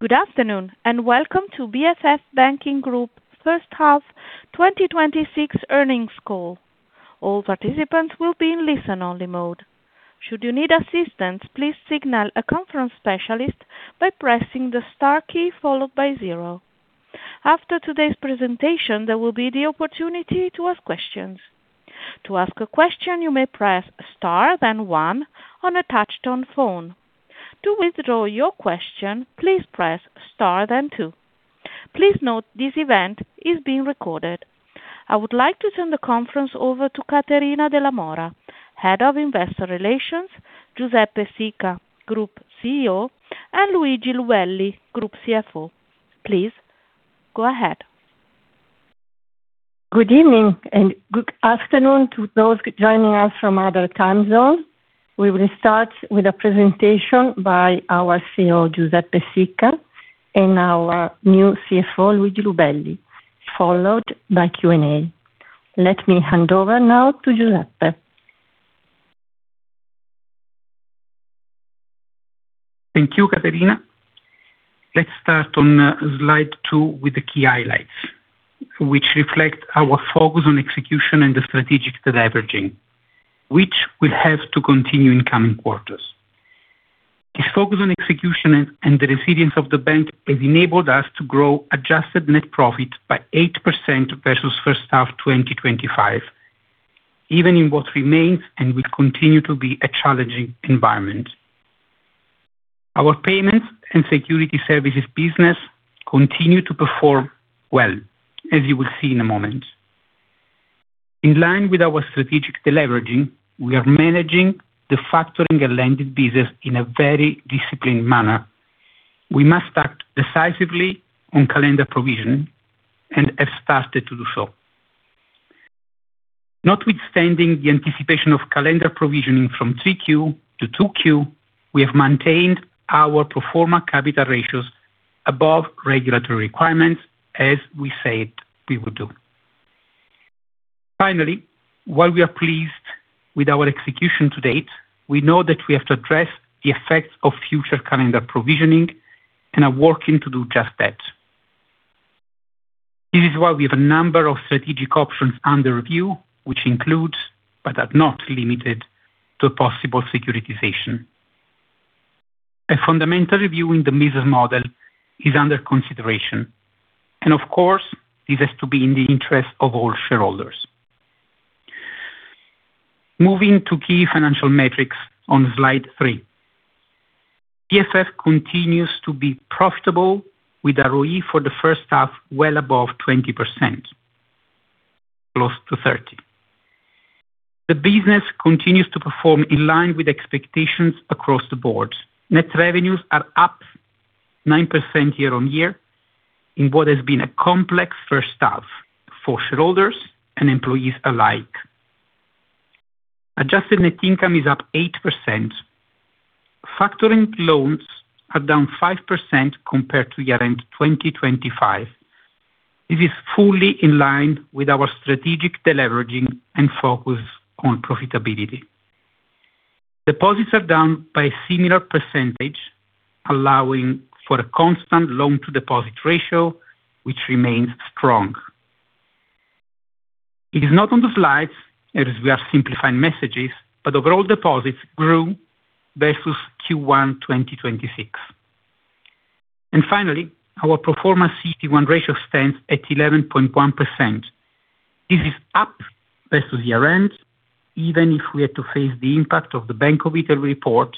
Good afternoon. Welcome to BFF Banking Group first half 2026 earnings call. All participants will be in listen-only mode. Should you need assistance, please signal a conference specialist by pressing the star key followed by zero. After today's presentation, there will be the opportunity to ask questions. To ask a question, you may press star then one on a touchtone phone. To withdraw your question, please press star then two. Please note this event is being recorded. I would like to turn the conference over to Caterina Della Mora, Head of Investor Relations, Giuseppe Sica, Group CEO, and Luigi Lubelli, Group CFO. Please, go ahead. Good evening. Good afternoon to those joining us from other time zones. We will start with a presentation by our CEO, Giuseppe Sica, and our new CFO, Luigi Lubelli, followed by Q&A. Let me hand over now to Giuseppe. Thank you, Caterina. Let's start on slide two with the key highlights, which reflect our focus on execution and the strategic deleveraging, which will have to continue in coming quarters. This focus on execution and the resilience of the bank has enabled us to grow adjusted net profit by 8% versus H1 2025, even in what remains and will continue to be a challenging environment. Our Payments and Securities Services business continue to perform well, as you will see in a moment. In line with our strategic deleveraging, we are managing the Factoring & Lending business in a very disciplined manner. We must act decisively on calendar provisioning and have started to do so. Notwithstanding the anticipation of calendar provisioning from 3Q to 2Q, we have maintained our pro forma capital ratios above regulatory requirements as we said we would do. Finally, while we are pleased with our execution to date, we know that we have to address the effects of future calendar provisioning and are working to do just that. This is why we have a number of strategic options under review, which includes, but are not limited to possible securitization. A fundamental review in the business model is under consideration. Of course, this has to be in the interest of all shareholders. Moving to key financial metrics on slide three. BFF continues to be profitable with ROE for the H1 well above 20%, close to 30%. The business continues to perform in line with expectations across the board. Net revenues are up 9% year-on-year in what has been a complex H1 for shareholders and employees alike. Adjusted net income is up 8%. Factoring loans are down 5% compared to year-end 2025. This is fully in line with our strategic deleveraging and focus on profitability. Deposits are down by a similar percentage, allowing for a constant loan-to-deposit ratio, which remains strong. It is not on the slides, as we are simplifying messages, but overall deposits grew versus Q1 2026. Finally, our pro forma CET1 ratio stands at 11.1%. This is up versus year end, even if we had to face the impact of the Bank of Italy report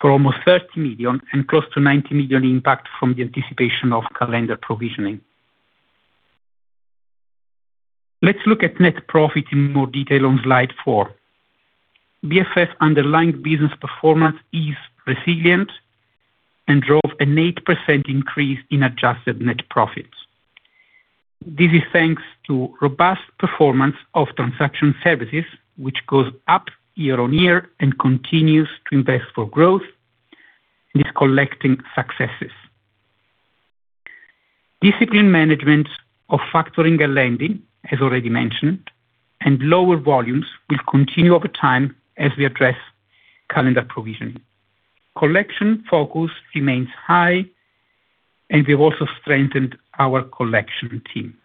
for almost 30 million and close to 90 million impact from the anticipation of calendar provisioning. Let's look at net profit in more detail on slide four. BFF's underlying business performance is resilient and drove an 8% increase in adjusted net profits. This is thanks to robust performance of Transaction Services, which goes up year-on-year and continues to invest for growth, and is collecting successes. Disciplined management of Factoring & Lending, as already mentioned, and lower volumes will continue over time as we address calendar provisioning. Collection focus remains high, and we've also strengthened our collection team.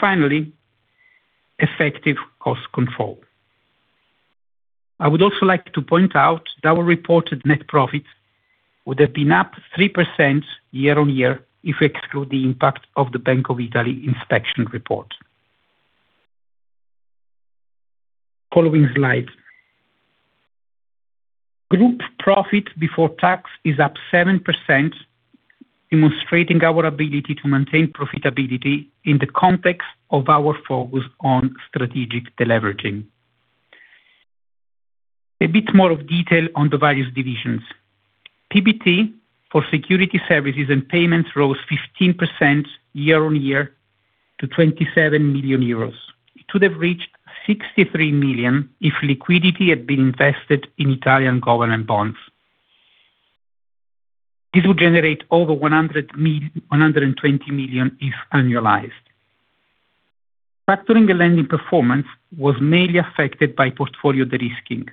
Finally, effective cost control. I would also like to point out that our reported net profits would have been up 3% year-on-year if we exclude the impact of the Bank of Italy inspection report. Following slide. Group profit before tax is up 7%, demonstrating our ability to maintain profitability in the context of our focus on strategic deleveraging. A bit more of detail on the various divisions. PBT for Securities Services and Payments rose 15% year-on-year to 27 million euros. It would have reached 63 million if liquidity had been invested in Italian government bonds. This would generate over 120 million if annualized. Factoring & Lending performance was mainly affected by portfolio de-risking.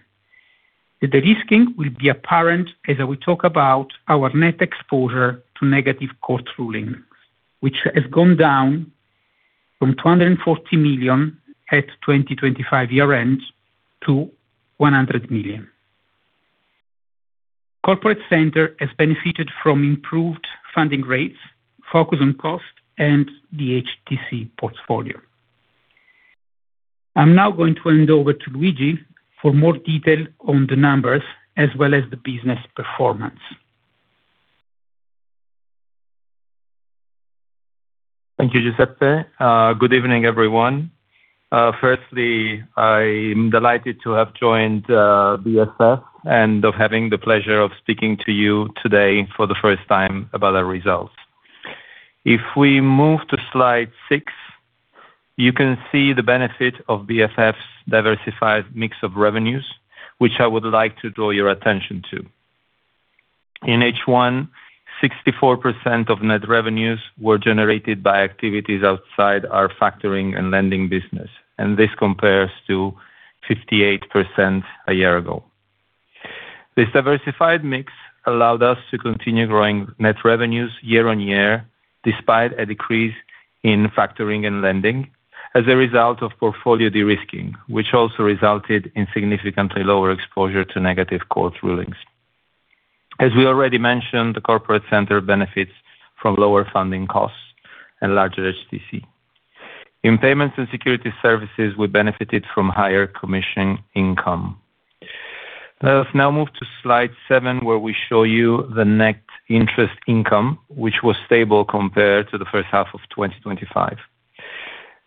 The de-risking will be apparent as we talk about our net exposure to negative court rulings, which has gone down from 240 million at 2025 year-end to 100 million. Corporate Center has benefited from improved funding rates, focus on cost, and the HTC portfolio. I'm now going to hand over to Luigi for more detail on the numbers as well as the business performance. Thank you, Giuseppe. Good evening, everyone. Firstly, I'm delighted to have joined BFF, and of having the pleasure of speaking to you today for the first time about our results. If we move to slide six, you can see the benefit of BFF's diversified mix of revenues, which I would like to draw your attention to. In H1, 64% of net revenues were generated by activities outside our Factoring & Lending business, and this compares to 58% a year-ago. This diversified mix allowed us to continue growing net revenues year-on-year, despite a decrease in Factoring & Lending as a result of portfolio de-risking, which also resulted in significantly lower exposure to negative court rulings. As we already mentioned, the Corporate Center benefits from lower funding costs and larger HTC. In Payments and Securities Services, we benefited from higher commission income. Let us now move to slide seven, where we show you the net interest income, which was stable compared to the H1 of 2025.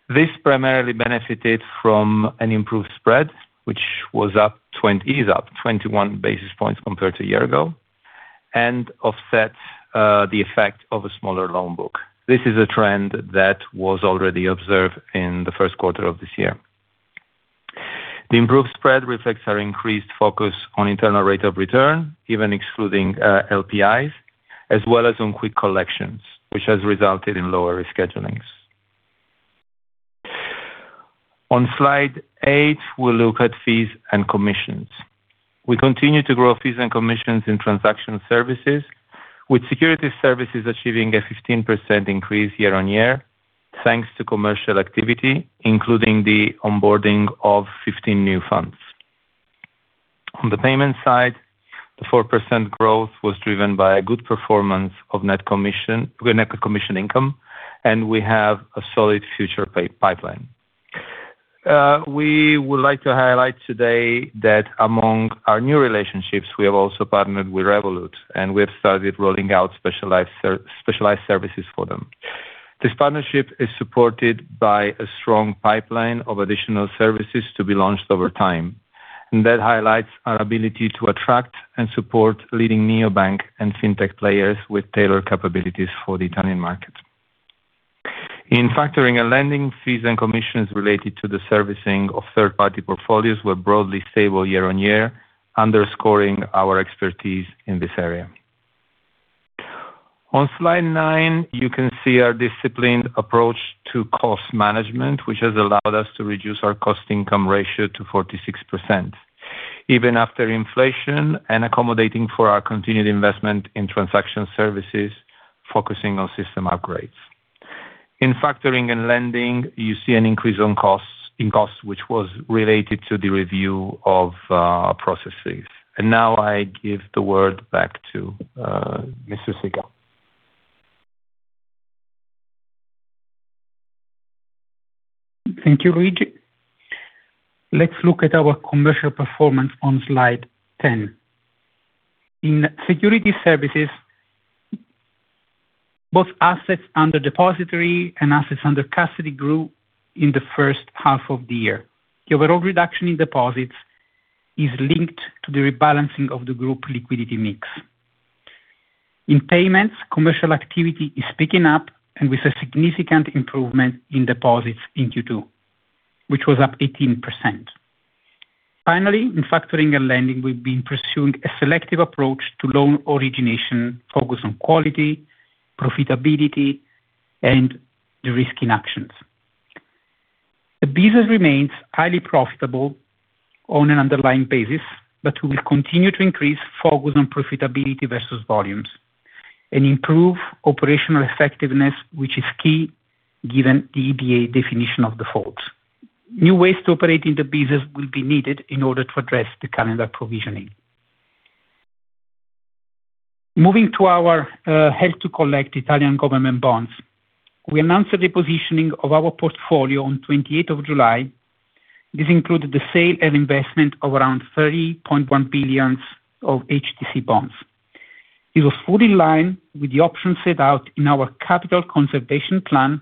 This primarily benefited from an improved spread, which is up 21 basis points compared to a year ago, and offsets the effect of a smaller loan book. This is a trend that was already observed in the first quarter of this year. The improved spread reflects our increased focus on internal rate of return, even excluding LPIs, as well as on quick collections, which has resulted in lower schedulings. On slide eight, we will look at fees and commissions. We continue to grow fees and commissions in Transaction Services, with Securities Services achieving a 15% increase year-on-year, thanks to commercial activity, including the onboarding of 15 new funds. On the Payments side, the 4% growth was driven by a good performance of net commission income. We have a solid future pipeline. We would like to highlight today that among our new relationships, we have also partnered with Revolut. We have started rolling out specialized services for them. This partnership is supported by a strong pipeline of additional services to be launched over time, and that highlights our ability to attract and support leading neobank and fintech players with tailored capabilities for the Italian market. In Factoring & Lending, fees and commissions related to the servicing of third-party portfolios were broadly stable year-on-year, underscoring our expertise in this area. On slide nine, you can see our disciplined approach to cost management, which has allowed us to reduce our Cost-to-Income Ratio to 46%, even after inflation and accommodating for our continued investment in Transaction Services, focusing on system upgrades. In Factoring & Lending, you see an increase in costs, which was related to the review of our processes. Now I give the word back to Mr. Giuseppe. Thank you, Luigi. Let's look at our commercial performance on slide 10. In Securities Services, both assets under Depository Bank and assets under custody grew in the H1 of the year. The overall reduction in deposits is linked to the rebalancing of the group liquidity mix. In Payments, commercial activity is picking up, with a significant improvement in deposits in Q2, which was up 18%. Finally, in Factoring & Lending, we have been pursuing a selective approach to loan origination focused on quality, profitability, and de-risking actions. The business remains highly profitable on an underlying basis. We will continue to increase focus on profitability versus volumes and improve operational effectiveness, which is key given the EBA definition of default. New ways to operate in the business will be needed in order to address the calendar provisioning. Moving to our held-to-collect Italian government bonds. We announced the repositioning of our portfolio on 28th of July. This included the sale and investment of around 30.1 billion of HTC bonds. It was fully in line with the option set out in our capital conservation plan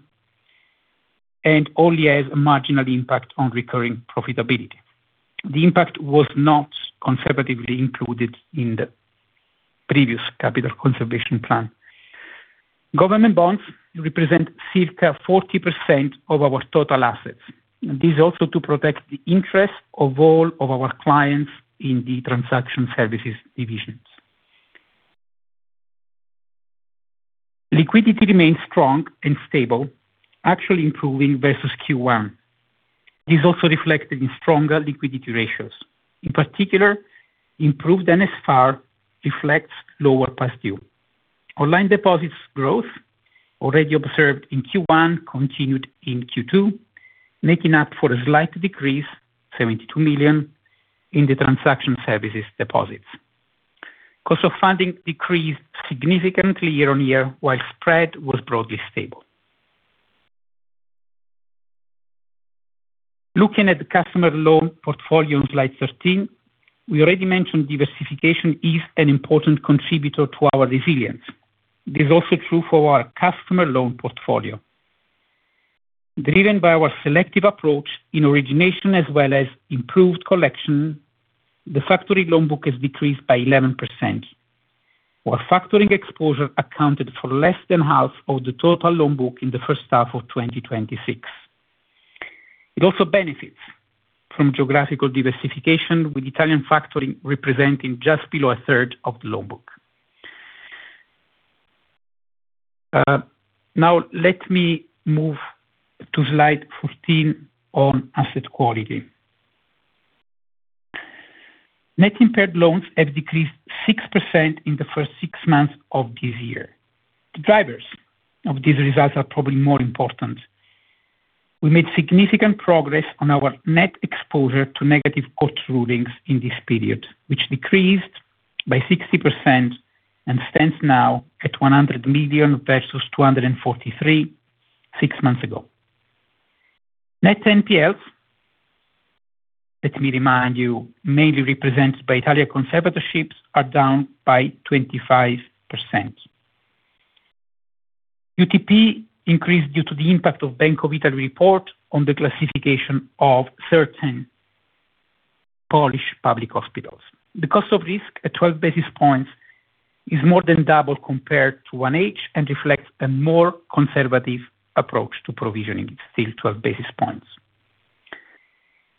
and only has a marginal impact on recurring profitability. The impact was not conservatively included in the previous capital conservation plan. Government bonds represent circa 40% of our total assets. This is also to protect the interest of all of our clients in the Transaction Services divisions. Liquidity remains strong and stable, actually improving versus Q1. This is also reflected in stronger liquidity ratios. In particular, improved NSFR reflects lower past due. Online deposits growth, already observed in Q1, continued in Q2, making up for a slight decrease, 72 million, in the Transaction Services deposits. cost of funding decreased significantly year-on-year, while spread was broadly stable. Looking at the customer loan portfolio on slide 13, we already mentioned diversification is an important contributor to our resilience. This is also true for our customer loan portfolio. Driven by our selective approach in origination as well as improved collection, the Factoring & Lending loan book has decreased by 11%, while factoring exposure accounted for less than half of the total loan book in the H1 of 2026. It also benefits from geographical diversification, with Italian factoring representing just below a third of the loan book. Now, let me move to slide 14 on asset quality. Net impaired loans have decreased 6% in the first six months of this year. The drivers of these results are probably more important. We made significant progress on our net exposure to negative court rulings in this period, which decreased by 60% and stands now at 100 million versus 243 million six months ago. Net NPLs, let me remind you, mainly represented by Italian Conservatorships, are down by 25%. UTP increased due to the impact of Bank of Italy report on the classification of certain Polish public hospitals. The cost of risk at 12 basis points is more than double compared to 1H and reflects a more conservative approach to provisioning. It's still 12 basis points.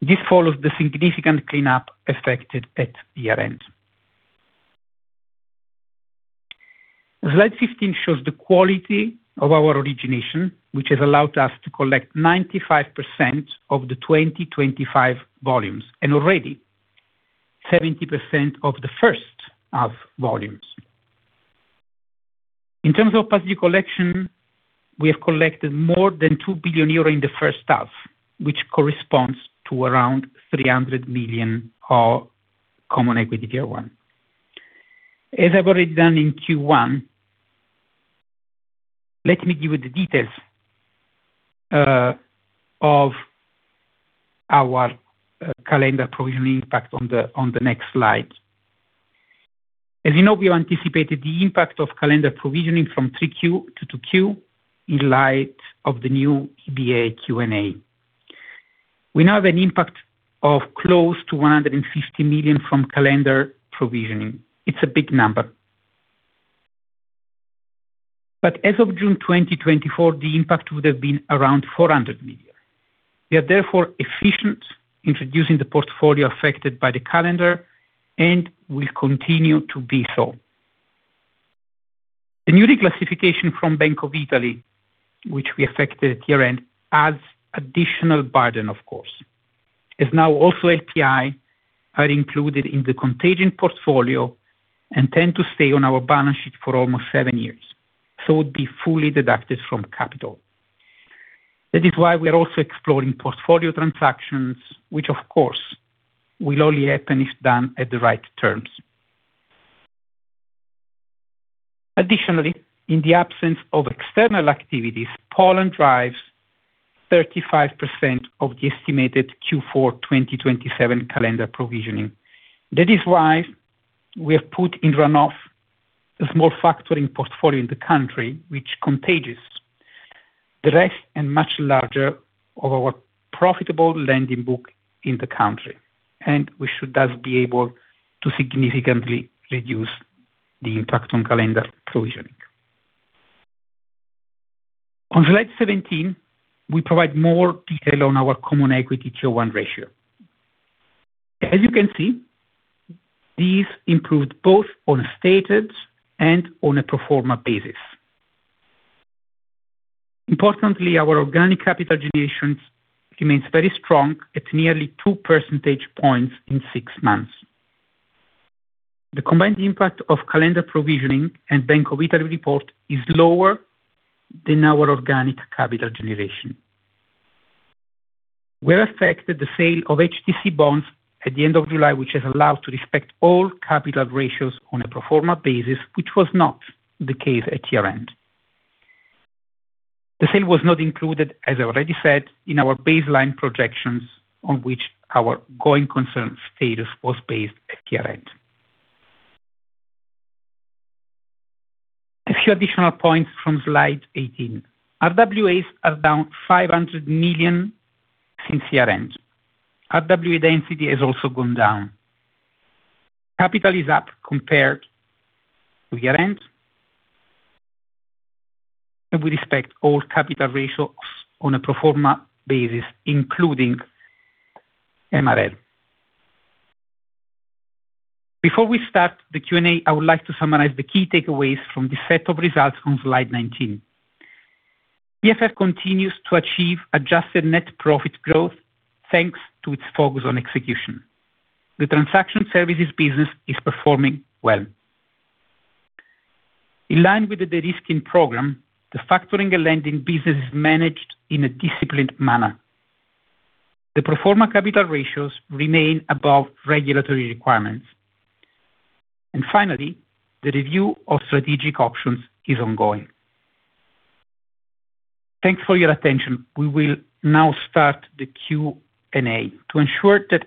This follows the significant cleanup effected at year-end. Slide 15 shows the quality of our origination, which has allowed us to collect 95% of the 2025 volumes, and already 70% of the H1 volumes. In terms of positive collection, we have collected more than 2 billion euro in the H1, which corresponds to around 300 million of Common Equity Tier 1. As I have already done in Q1, let me give you the details of our calendar provisioning impact on the next slide. As you know, we have anticipated the impact of calendar provisioning from 3Q to 2Q in light of the new EBA Q&A. We now have an impact of close to 150 million from calendar provisioning. It's a big number. As of June 2024, the impact would have been around 400 million. We are therefore efficient introducing the portfolio affected by the calendar, and will continue to be so. The new declassification from Bank of Italy, which we effected at year-end, adds additional burden, of course, as now also LPIs are included in the contagion portfolio and tend to stay on our balance sheet for almost seven years, so would be fully deducted from capital. That is why we are also exploring portfolio transactions, which, of course, will only happen if done at the right terms. Additionally, in the absence of external activities, Poland drives 35% of the estimated Q4 2027 calendar provisioning. That is why we have put in run-off a small factoring portfolio in the country which contagions the rest and much larger of our profitable lending book in the country. We should thus be able to significantly reduce the impact on calendar provisioning. On slide 17, we provide more detail on our common Equity Tier 1 ratio. As you can see, these improved both on a stated and on a pro forma basis. Importantly, our organic capital generation remains very strong at nearly 2 percentage points in six months. The combined impact of calendar provisioning and Bank of Italy report is lower than our organic capital generation. We effected the sale of HTC bonds at the end of July, which has allowed to respect all capital ratios on a pro forma basis, which was not the case at year-end. The sale was not included, as I already said, in our baseline projections on which our going concern status was based at year-end. A few additional points from slide 18. RWAs are down 500 million since year-end. RWA density has also gone down. Capital is up compared to year-end. We respect all capital ratios on a pro forma basis, including MREL. Before we start the Q&A, I would like to summarize the key takeaways from the set of results on slide 19. BFF continues to achieve adjusted net profit growth thanks to its focus on execution. The Transaction Services business is performing well. In line with the de-risking program, the Factoring & Lending business is managed in a disciplined manner. The pro forma capital ratios remain above regulatory requirements. Finally, the review of strategic options is ongoing. Thanks for your attention. We will now start the Q&A. To ensure that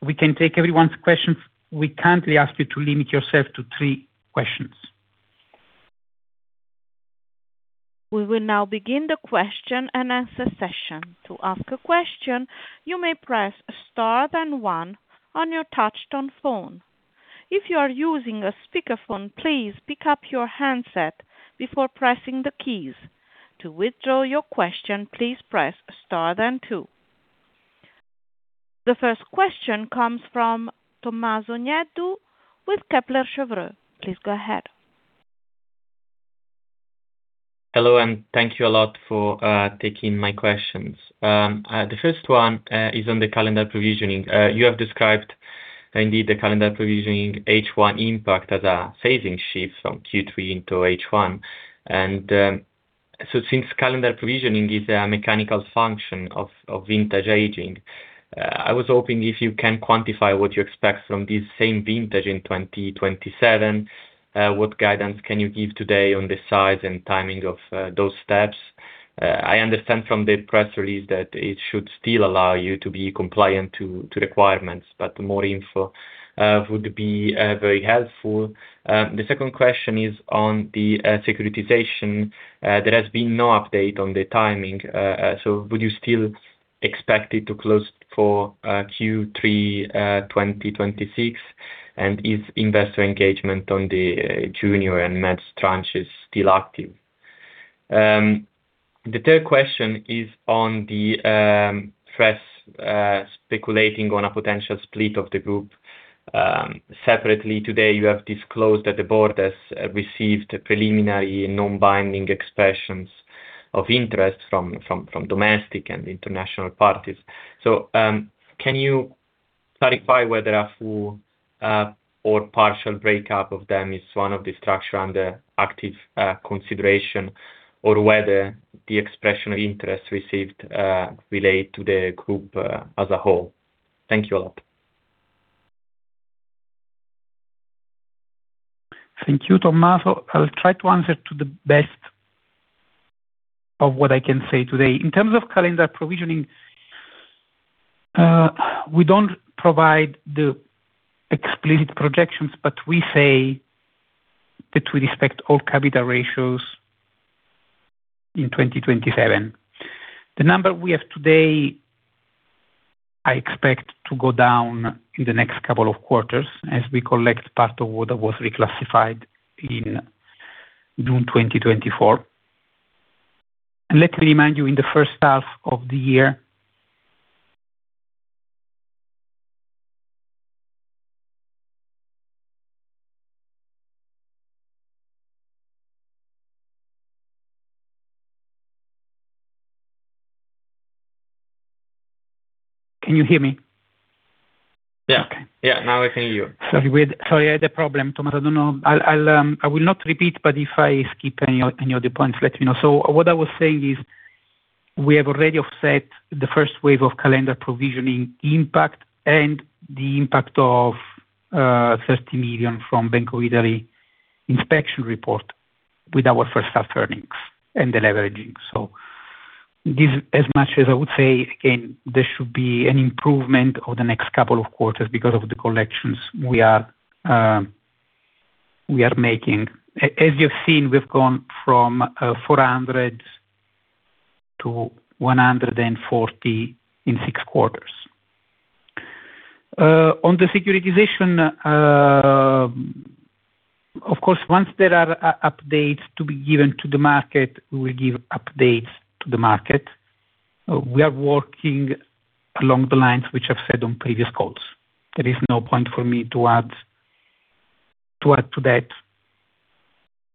we can take everyone's questions, we kindly ask you to limit yourself to three questions. We will now begin the question and answer session. To ask a question, you may press star then one on your touch tone phone. If you are using a speakerphone, please pick up your handset before pressing the keys. To withdraw your question, please press star then two. The first question comes from Tommaso Nieddu with Kepler Cheuvreux. Please go ahead. Hello, thank you a lot for taking my questions. The first one is on the calendar provisioning. You have described indeed the calendar provisioning H1 impact as a phasing shift from Q3 into H1. Since calendar provisioning is a mechanical function of vintage aging, I was hoping if you can quantify what you expect from this same vintage in 2027, what guidance can you give today on the size and timing of those steps? I understand from the press release that it should still allow you to be compliant to requirements, but more info would be very helpful. The second question is on the securitization. There has been no update on the timing. Would you still expect it to close for Q3 2026? Is investor engagement on the junior and mezz tranches still active? The third question is on the press speculating on a potential split of the group. Separately today, you have disclosed that the board has received preliminary non-binding expressions of interest from domestic and international parties. Can you clarify whether a full or partial breakup of them is one of the structure under active consideration or whether the expression of interest received relate to the group as a whole? Thank you a lot. Thank you, Tommaso. I will try to answer to the best of what I can say today. In terms of calendar provisioning, we don't provide the explicit projections, but we say that we respect all capital ratios in 2027. The number we have today, I expect to go down in the next couple of quarters as we collect part of what was reclassified in June 2024. Let me remind you, in the H1 of the year Can you hear me? Yeah. Okay. Yeah, now I can hear you. Sorry, I had a problem, Tommaso Nieddu. I don't know. I will not repeat, but if I skip any other points, let me know. What I was saying is we have already offset the first wave of calendar provisioning impact and the impact of 30 million from Bank of Italy inspection report with our H1 earnings and the leveraging. This as much as I would say, again, there should be an improvement over the next couple of quarters because of the collections we are making. As you've seen, we've gone from 400-140 in six quarters. On the securitization, of course, once there are updates to be given to the market, we give updates to the market. We are working along the lines which I've said on previous calls. There is no point for me to add to that.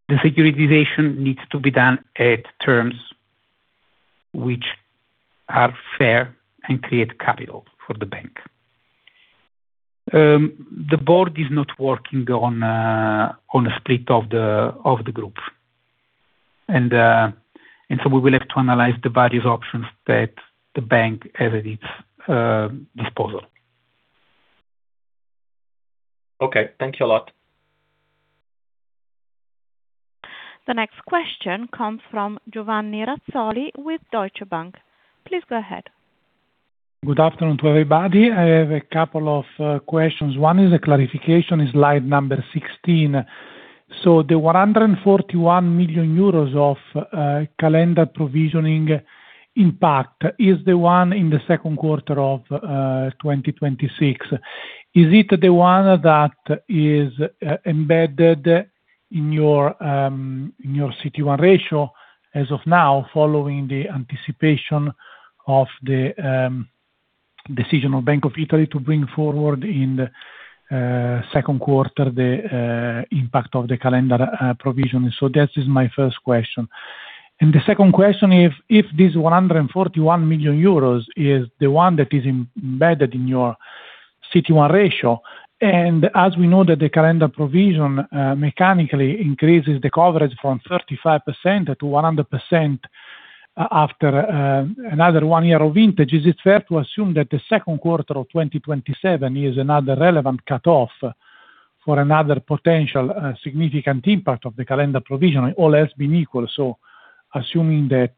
The securitization needs to be done at terms which are fair and create capital for the bank. The board is not working on a split of the group. We will have to analyze the various options that the bank has at its disposal. Okay. Thank you a lot. The next question comes from Giovanni Razzoli with Deutsche Bank. Please go ahead. Good afternoon to everybody. I have a couple of questions. One is a clarification in slide number 16. The 141 million euros of calendar provisioning impact is the one in the second quarter of 2026. Is it the one that is embedded in your CET1 ratio, as of now, following the anticipation of the decision of Bank of Italy to bring forward in the second quarter the impact of the calendar provision. That is my first question. The second question, if this 141 million euros is the one that is embedded in your CET1 ratio, and as we know that the calendar provision mechanically increases the coverage from 35%-100% after another one year of vintage, is it fair to assume that the second quarter of 2027 is another relevant cutoff for another potential significant impact of the calendar provision, all else being equal? Assuming that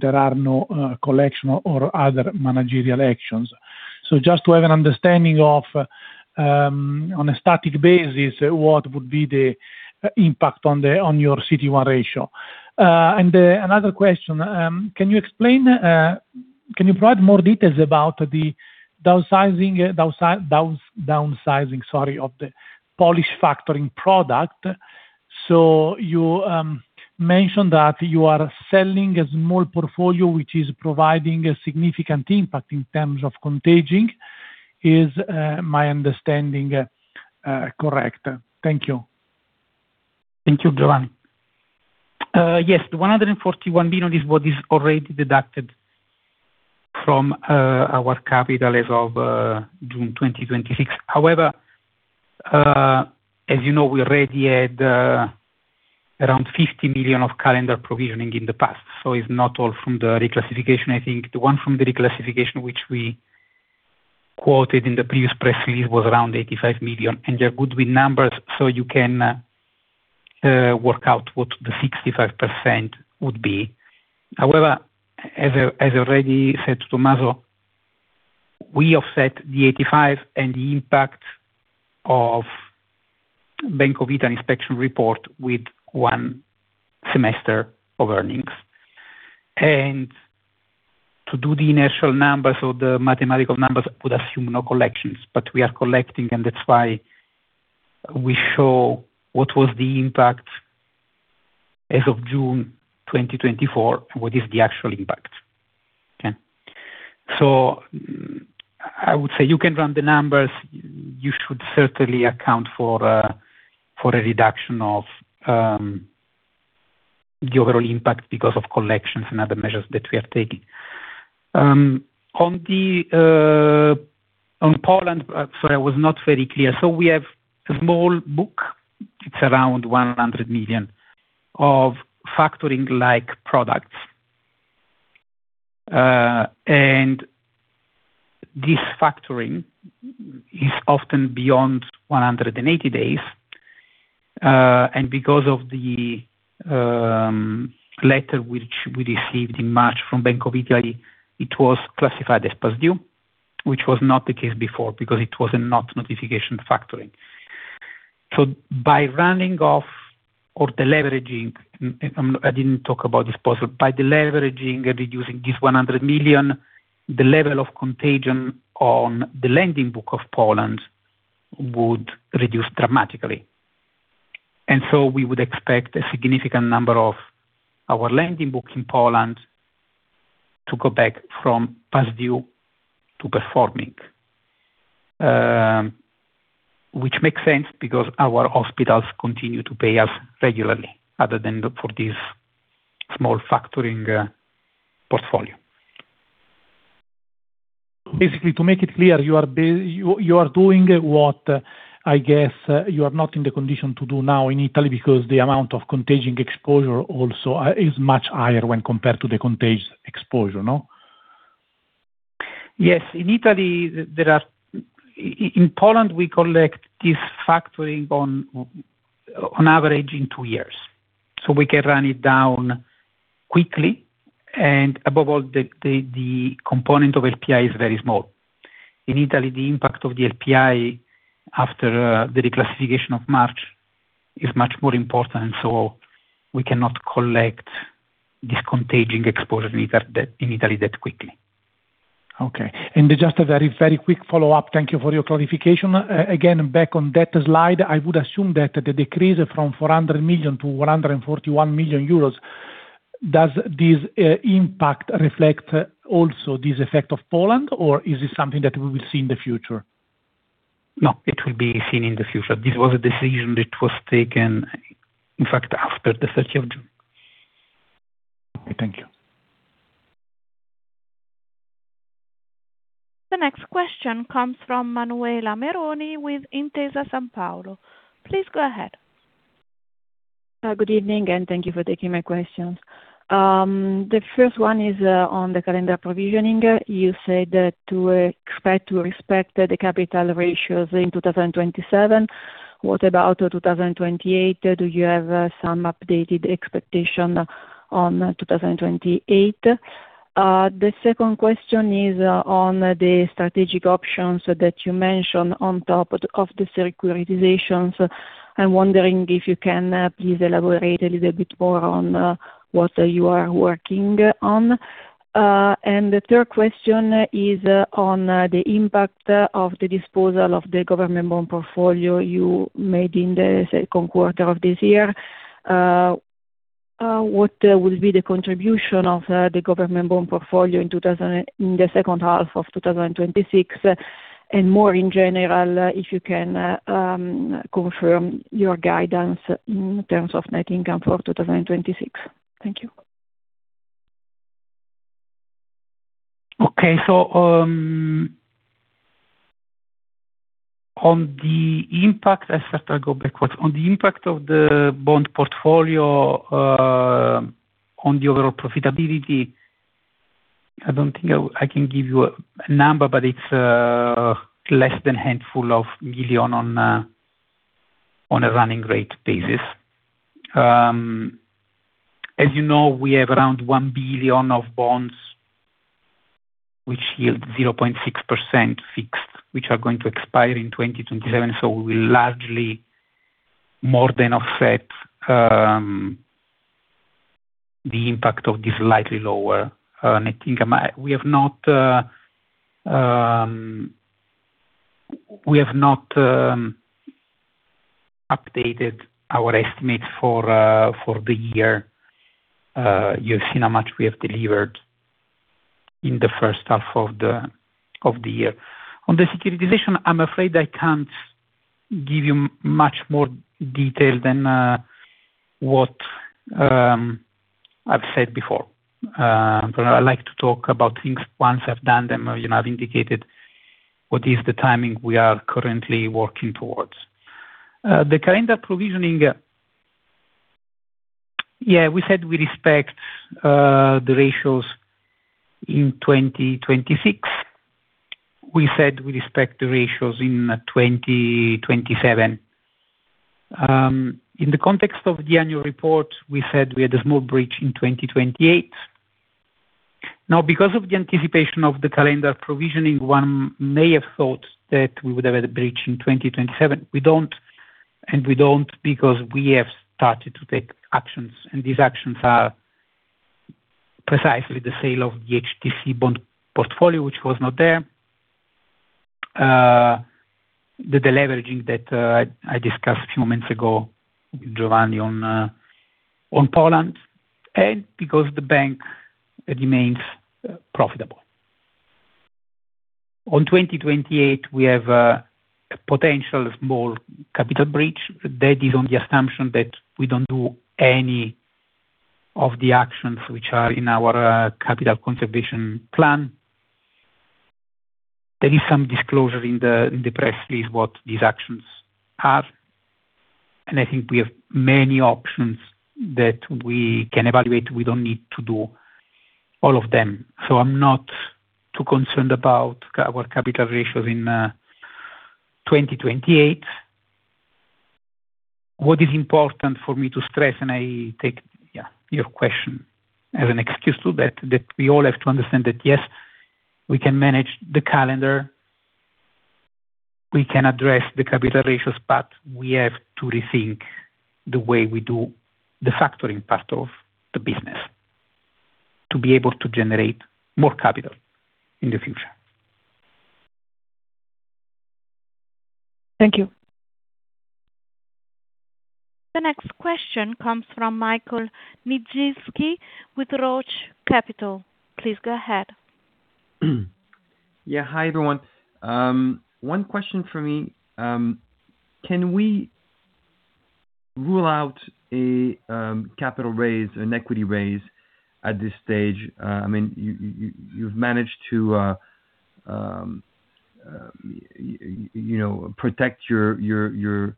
there are no collection or other managerial actions. Just to have an understanding of, on a static basis, what would be the impact on your CET1 ratio. Another question. Can you provide more details about the downsizing of the Polish factoring product? You mentioned that you are selling a small portfolio, which is providing a significant impact in terms of contagion. Is my understanding correct? Thank you. Thank you, Giovanni. Yes, the 141 million is what is already deducted from our capital as of June 2026. However, as you know, we already had around 50 million of calendar provisioning in the past, so it's not all from the reclassification. I think the one from the reclassification, which we quoted in the previous press release, was around 85 million, and there could be numbers, so you can work out what the 65% would be. However, as already said to Tommaso, we offset the 85 and the impact of Bank of Italy inspection report with one semester of earnings. To do the initial numbers or the mathematical numbers would assume no collections, but we are collecting, and that's why we show what was the impact as of June 2024, what is the actual impact. Okay. I would say you can run the numbers. You should certainly account for a reduction of the overall impact because of collections and other measures that we are taking. On Poland, sorry, I was not very clear. We have a small book, it's around 100 million of factoring-like products. This factoring is often beyond 180 days. Because of the letter which we received in March from Bank of Italy, it was classified as past due, which was not the case before, because it was a not notification factoring. By running off or deleveraging, I didn't talk about this possibly. By deleveraging and reducing this 100 million, the level of contagion on the lending book of Poland would reduce dramatically. We would expect a significant number of our lending book in Poland to go back from past due to performing, which makes sense, because our hospitals continue to pay us regularly, other than for this small factoring portfolio. Basically, to make it clear, you are doing what, I guess, you are not in the condition to do now in Italy because the amount of contagion exposure also is much higher when compared to the contagious exposure, no? Yes. In Poland, we collect this factoring on average in two years. We can run it down quickly, and above all, the component of LPI is very small. In Italy, the impact of the LPI after the reclassification of March is much more important, so we cannot collect this contagion exposure in Italy that quickly. Okay. Just a very quick follow-up. Thank you for your clarification. Again, back on that slide, I would assume that the decrease from 400 million-141 million euros, does this impact reflect also this effect of Poland, or is it something that we will see in the future? No, it will be seen in the future. This was a decision that was taken, in fact, after the 30th of June. Okay. Thank you. The next question comes from Manuela Meroni with Intesa Sanpaolo. Please go ahead. Good evening. Thank you for taking my questions. The first one is on the calendar provisioning. You said to expect the capital ratios in 2027. What about 2028? Do you have some updated expectation on 2028? The second question is on the strategic options that you mentioned on top of the securitizations. I'm wondering if you can please elaborate a little bit more on what you are working on. The third question is on the impact of the disposal of the government bond portfolio you made in the second quarter of this year. What will be the contribution of the government bond portfolio in the H2 of 2026, and more in general, if you can confirm your guidance in terms of net income for 2026. Thank you. On the impact, I start to go backwards. On the impact of the bond portfolio on the overall profitability, I don't think I can give you a number, but it's less than a handful of million on a running rate basis. As you know, we have around 1 billion of bonds, which yield 0.6% fixed, which are going to expire in 2027. We will largely more than offset the impact of this slightly lower net income. We have not updated our estimates for the year. You've seen how much we have delivered in the H1 of the year. On the securitization, I'm afraid I can't give you much more detail than what I've said before. I like to talk about things once I've done them, or I've indicated what is the timing we are currently working towards. The calendar provisioning, we said we respect the ratios in 2026. We said we respect the ratios in 2027. In the context of the annual report, we said we had a small breach in 2028. Because of the anticipation of the calendar provisioning, one may have thought that we would have a breach in 2027. We don't, and we don't because we have started to take actions, and these actions are precisely the sale of the HTC bond portfolio, which was not there. The deleveraging that I discussed a few moments ago with Giovanni on Poland, and because the bank remains profitable. On 2028, we have a potential small capital breach. That is on the assumption that we don't do any of the actions which are in our Capital Conservation Plan. There is some disclosure in the press release what these actions are. I think we have many options that we can evaluate. We don't need to do all of them. I'm not too concerned about our capital ratios in 2028. What is important for me to stress, and I take your question as an excuse to that we all have to understand that, yes, we can manage the calendar, we can address the capital ratios, but we have to rethink the way we do the factoring part of the business to be able to generate more capital in the future. Thank you. The next question comes from Michael Niedzielski with ROCE Capital. Please go ahead. Yeah. Hi, everyone. One question for me. Can we rule out a capital raise, an equity raise at this stage? You've managed to protect your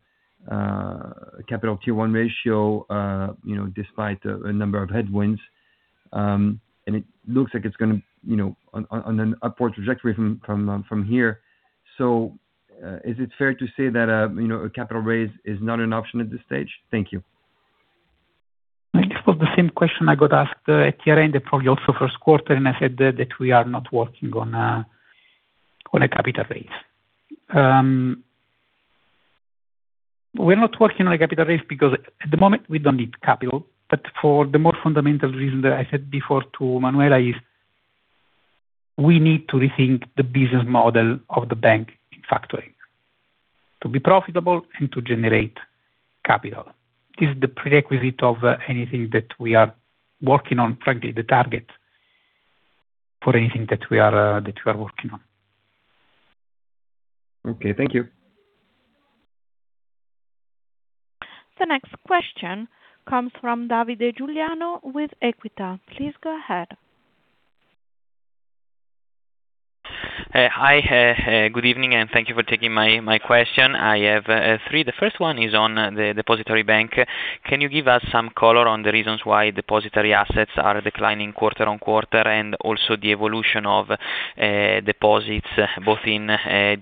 capital Tier 1 ratio despite a number of headwinds. It looks like it's on an upward trajectory from here. Is it fair to say that a capital raise is not an option at this stage? Thank you. This was the same question I got asked at year-end, probably also first quarter. I said that we are not working on a capital raise. We're not working on a capital raise because at the moment we don't need capital. For the more fundamental reason that I said before to Manuela is we need to rethink the business model of the bank in factoring to be profitable and to generate capital. This is the prerequisite of anything that we are working on, frankly, the target for anything that we are working on. Okay. Thank you. The next question comes from Davide Giuliano with Equita. Please go ahead. Hi. Good evening. Thank you for taking my question. I have three. The first one is on the Depository Bank. Can you give us some color on the reasons why depository assets are declining quarter-on-quarter, and also the evolution of deposits, both in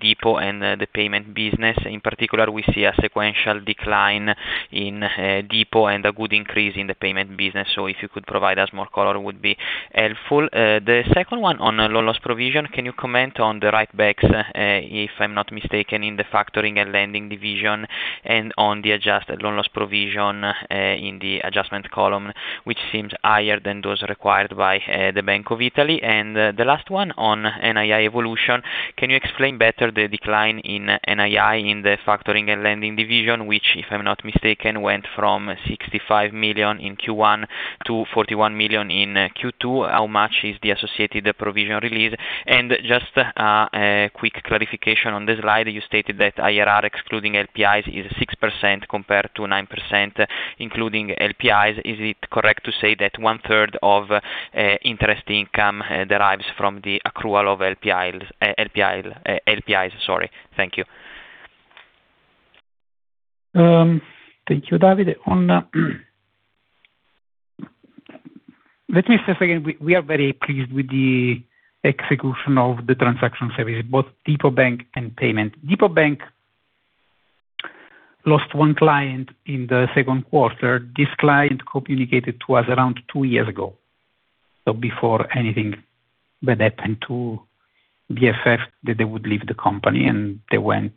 depot and the Payments business? In particular, we see a sequential decline in depot and a good increase in the Payments business. If you could provide us more color, would be helpful. The second one on loan loss provision, can you comment on the write backs, if I'm not mistaken, in the Factoring & Lending division and on the adjusted loan loss provision in the adjustment column, which seems higher than those required by the Bank of Italy. The last one on NII evolution, can you explain better the decline in NII in the Factoring & Lending division, which, if I'm not mistaken, went from 65 million in Q1 to 41 million in Q2. How much is the associated provision release? Just a quick clarification on the slide, you stated that IRR excluding LPIs is 6% compared to 9% including LPIs. Is it correct to say that 1/3 of interest income derives from the accrual of LPIs? Thank you. Thank you, Davide. Let me say again, we are very pleased with the execution of the Transaction Services, both Depository Bank and Payments. Depository Bank lost one client in the second quarter. This client communicated to us around two years ago. Before anything bad happened to BFF, that they would leave the company, and they went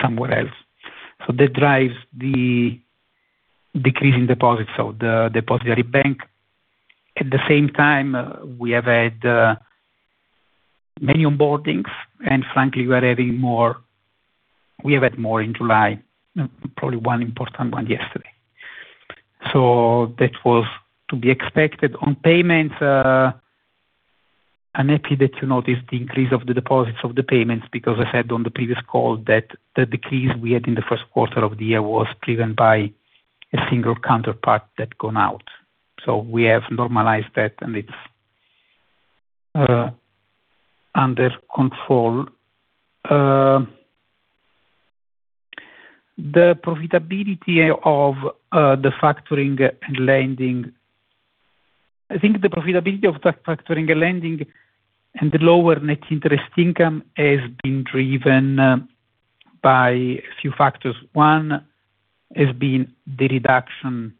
somewhere else. That drives the decrease in deposits, so the Depository Bank. At the same time, we have had many onboardings. Frankly, we have had more in July, probably one important one yesterday. That was to be expected. On Payments, I'm happy that you noticed the increase of the deposits of the Payments, because I said on the previous call that the decrease we had in the first quarter of the year was driven by a single counterpart that gone out. We have normalized that, and it's under control. I think the profitability of the Factoring & Lending and the lower net interest income has been driven by a few factors. One has been the reduction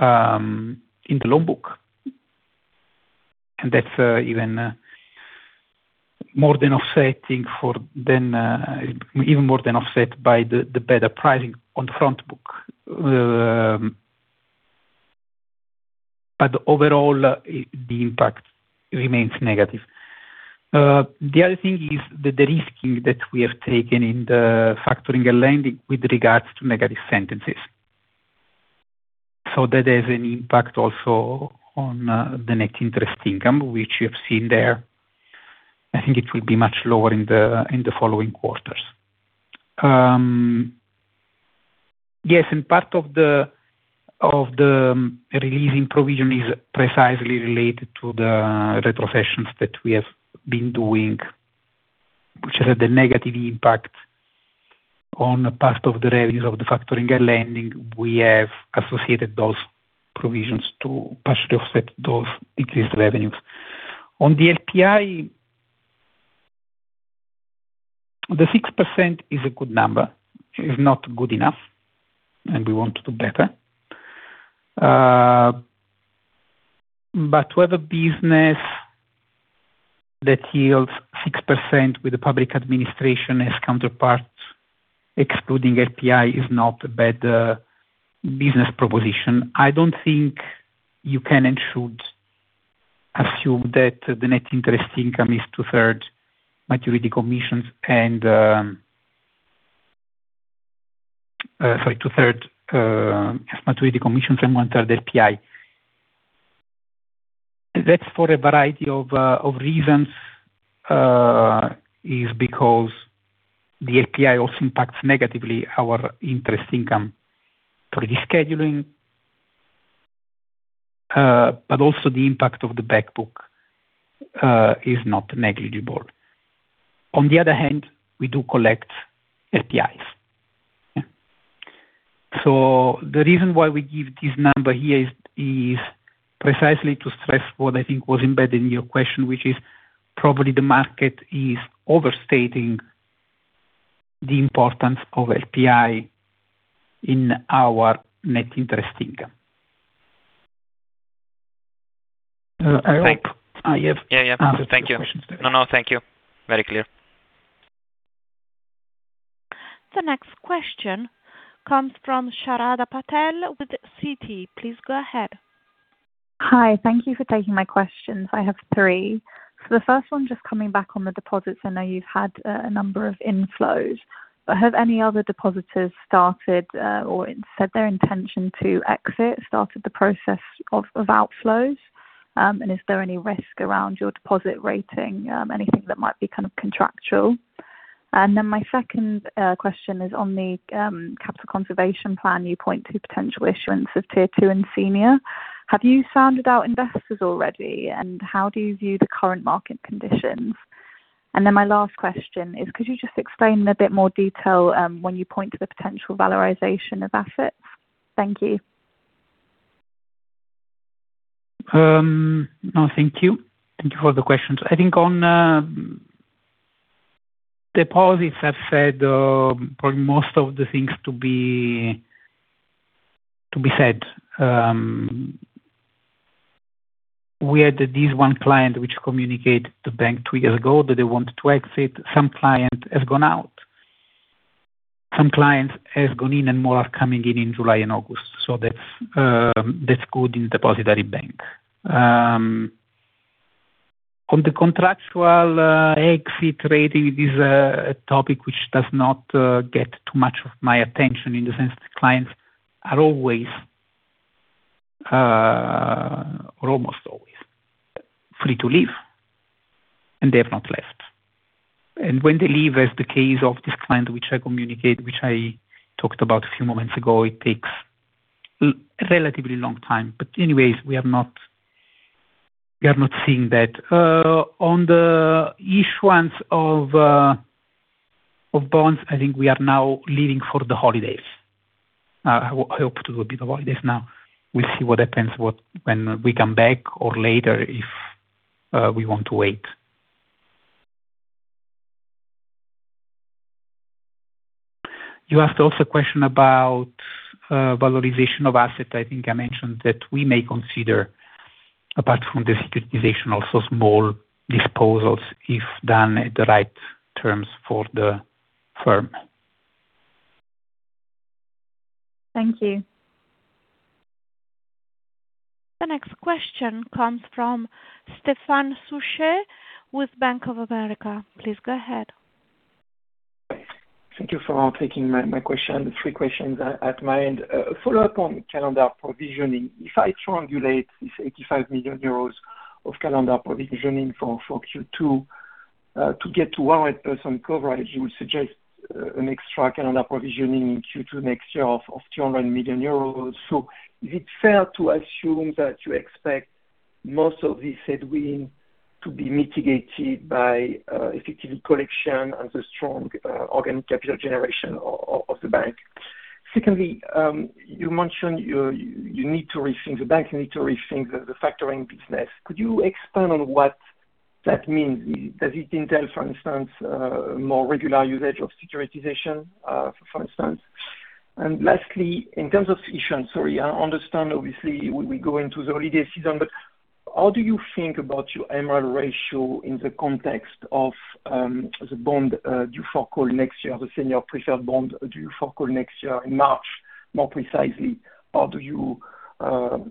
in the loan book, and that's even more than offset by the better pricing on the front book. But overall, the impact remains negative. The other thing is the de-risking that we have taken in the Factoring & Lending with regards to negative sentences. So that has an impact also on the net interest income, which you have seen there. I think it will be much lower in the following quarters. Yes, and part of the releasing provision is precisely related to the retrocessions that we have been doing, which had a negative impact on part of the revenues of the Factoring & Lending. We have associated those provisions to partially offset those increased revenues. On the LPI, the 6% is a good number. It's not good enough, and we want to do better. But we have a business that yields 6% with the public administration as counterpart, excluding LPI is not a bad business proposition. I don't think you can and should assume that the net interest income is Sorry, two-third is maturity commissions and one-third LPI. That's for a variety of reasons, is because the LPI also impacts negatively our interest income rescheduling. But also the impact of the back book is not negligible. On the other hand, we do collect LPIs. The reason why we give this number here is precisely to stress what I think was embedded in your question, which is probably the market is overstating the importance of LPI in our net interest income. I hope I have answered your questions. Yeah. Thank you. No, thank you. Very clear. The next question comes from Sharada Patel with Citi. Please go ahead. Hi. Thank you for taking my questions. I have three. The first one, just coming back on the deposits. I know you've had a number of inflows, have any other depositors started or said their intention to exit, started the process of outflows? Is there any risk around your deposit rating, anything that might be contractual? My second question is on the Capital Conservation Buffer, you point to potential issuance of Tier 2 and senior. Have you sounded out investors already, how do you view the current market conditions? My last question is, could you just explain in a bit more detail when you point to the potential valorization of assets? Thank you. Thank you. Thank you for the questions. I think on deposits, I've said probably most of the things to be said. We had this one client, which communicated to bank two years ago that they wanted to exit. Some client has gone out, some clients have gone in, more are coming in in July and August. That's good in Depository Bank. On the contractual exit trading, it is a topic which does not get too much of my attention in the sense that clients are always, or almost always, free to leave, they have not left. When they leave, as the case of this client, which I talked about a few moments ago, it takes a relatively long time. Anyways, we are not seeing that. On the issuance of bonds, I think we are now leaving for the holidays. I hope to do a bit of holidays now. We'll see what happens when we come back or later if we want to wait. You asked also a question about valorization of asset. I think I mentioned that we may consider, apart from the securitization, also small disposals if done at the right terms for the firm. Thank you. The next question comes from Stéphane Suchet with Bank of America. Please go ahead. Thank you for taking my question. Three questions at mind. A follow-up on calendar provisioning. If I triangulate this 85 million euros of calendar provisioning for Q2 to get to 100% coverage, you would suggest an extra calendar provisioning Q2 next year of 200 million euros. Is it fair to assume that you expect most of this headwind to be mitigated by effective collection and the strong organic capital generation of the bank? Secondly, you mentioned you need to rethink, the bank need to rethink the factoring business. Could you expand on what that means? Does it entail, for instance, more regular usage of securitization, for instance? Lastly, in terms of issuance, sorry, I understand obviously we go into the holiday season, but how do you think about your MREL ratio in the context of the bond due for call next year, the Senior Preferred Bond due for call next year in March, more precisely, how do you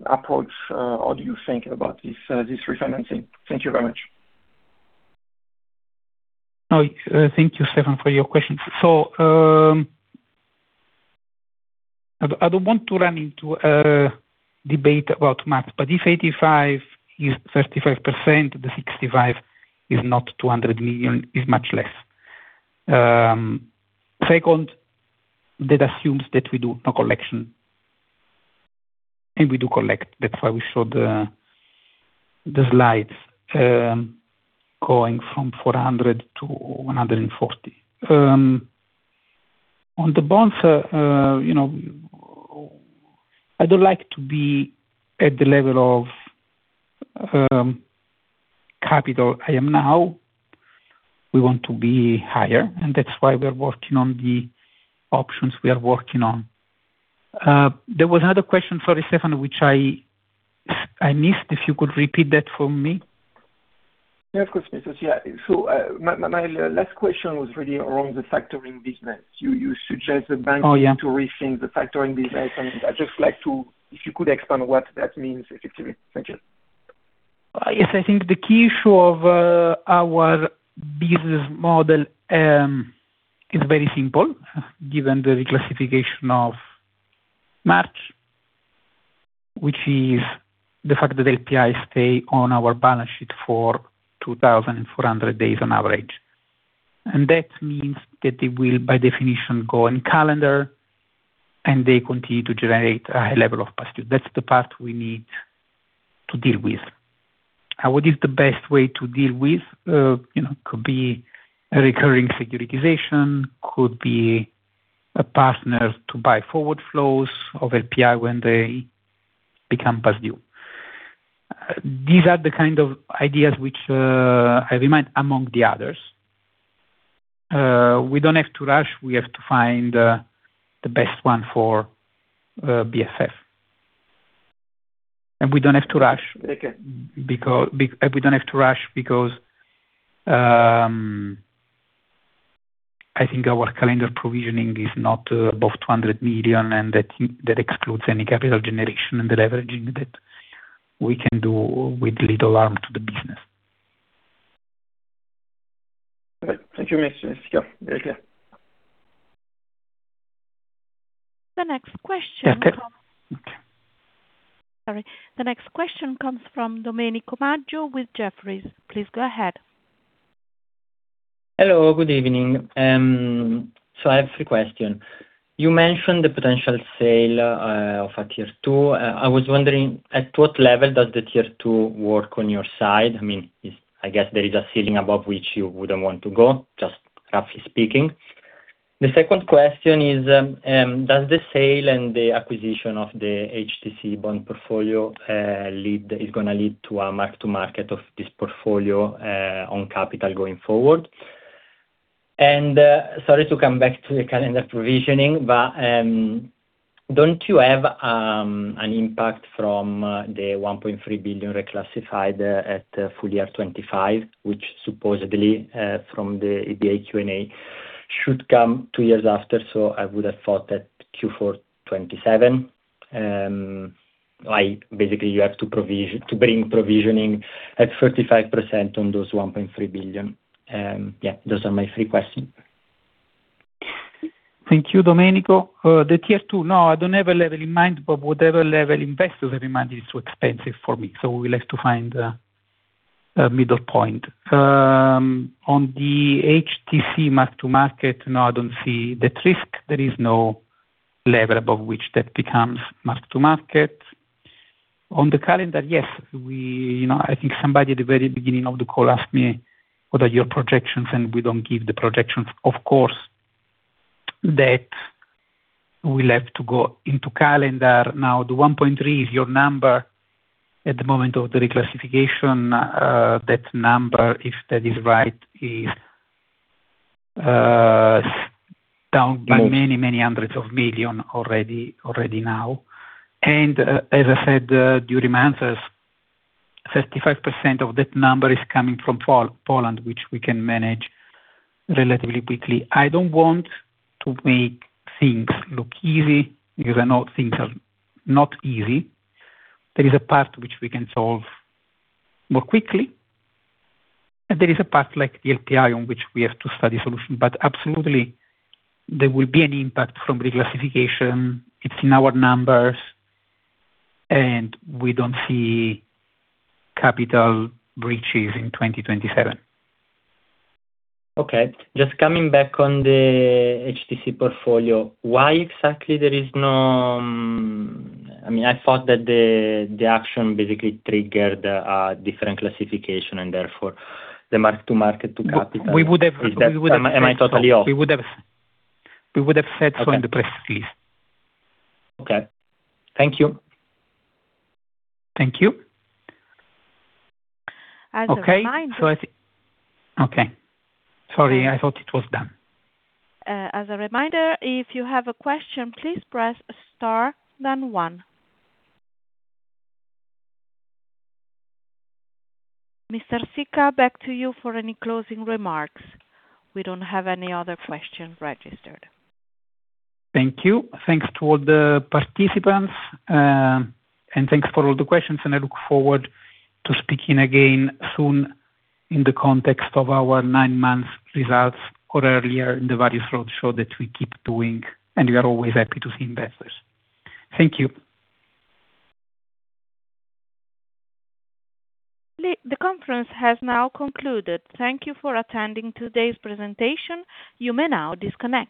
approach, how do you think about this refinancing? Thank you very much. Thank you, Stéphane, for your questions. I don't want to run into a debate about math, but if 85 is 35%, the 65 is not 200 million, it's much less. Second, that assumes that we do no collection, and we do collect. That's why we show the slides going from 400 million-140 million. On the bonds, I don't like to be at the level of capital I am now. We want to be higher, and that's why we're working on the options we are working on. There was another question, sorry, Stéphane which I missed, if you could repeat that for me. Yeah, of course, Giuseppe. My last question was really around the factoring business. You suggest the bank- Oh, yeah. Need to rethink the factoring business. I just like to, if you could expand what that means effectively. Thank you. Yes, I think the key issue of our business model is very simple, given the reclassification of March, which is the fact that the LPIs stay on our balance sheet for 2,400 days on average. That means that they will, by definition, go in calendar, and they continue to generate a high level of past due. That's the part we need to deal with. What is the best way to deal with? Could be a recurring securitization, could be a partner to buy forward flows of LPI when they become past due. These are the kind of ideas which I remind among the others. We don't have to rush. We have to find the best one for BFF. We don't have to rush. Okay. We don't have to rush because I think our calendar provisioning is not above 200 million, and that excludes any capital generation and the leveraging that we can do with little harm to the business. Okay. Thank you, Giuseppe. The next question comes- Okay. Sorry. The next question comes from Domenico Maggio with Jefferies. Please go ahead. Hello, good evening. I have three questions. You mentioned the potential sale of a Tier 2. I was wondering, at what level does the Tier 2 work on your side? I guess there is a ceiling above which you wouldn't want to go, just roughly speaking. The second question is, does the sale and the acquisition of the HTC bond portfolio is going to lead to a mark to market of this portfolio on capital going forward? Sorry to come back to the calendar provisioning, but don't you have an impact from the 1.3 billion reclassified at FY 2025, which supposedly, from the EBA Q&A, should come two years after, so I would have thought that Q4 2027. Basically, you have to bring provisioning at 35% on those 1.3 billion. Those are my three questions. Thank you, Domenico. The Tier 2, no, I don't have a level in mind, but whatever level investors have in mind is too expensive for me. We'll have to find a middle point. On the HTC mark to market, no, I don't see that risk. There is no level above which that becomes mark to market. On the calendar, yes. I think somebody at the very beginning of the call asked me, "What are your projections?" We don't give the projections. Of course, that will have to go into calendar. Now, the 1.3 is your number at the moment of the reclassification. That number, if that is right, is down by many hundreds of million already now. As I said during my answers, 35% of that number is coming from Poland, which we can manage relatively quickly. I don't want to make things look easy because I know things are not easy. There is a part which we can solve more quickly, and there is a part like the LPI, on which we have to study solution. Absolutely, there will be an impact from reclassification. It's in our numbers, and we don't see capital breaches in 2027. Okay. Just coming back on the HTC portfolio, why exactly there is no I thought that the action basically triggered a different classification and therefore the mark-to-market to capital- No. Am I totally off? We would have said so in the press release. Okay. Thank you. Thank you. As a reminder- Okay. Sorry, I thought it was done. As a reminder, if you have a question, please press star then one. Mr. Sica, back to you for any closing remarks. We don't have any other question registered. Thank you. Thanks to all the participants, thanks for all the questions, I look forward to speaking again soon in the context of our nine-month results or earlier in the various roadshow that we keep doing, we are always happy to see investors. Thank you. The conference has now concluded. Thank you for attending today's presentation. You may now disconnect.